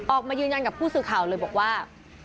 ออกมายืนยันกับผู้สื่อข่าวเลยบอกว่า